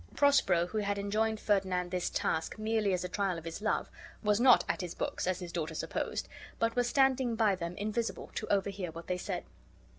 Prospero, who had enjoined Ferdinand this task merely as a trial of his love, was not at his books, as his daughter supposed, but was standing by them invisible, to overhear what they said.